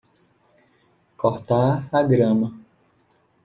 Cortar a grama.